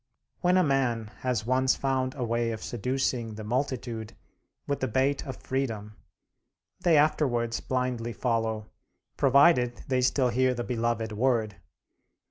When a man has once found a way of seducing the multitude with the bait of freedom, they afterwards blindly follow, provided they still hear the beloved word.